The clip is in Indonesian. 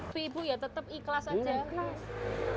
tapi bu ya tetap ikhlas aja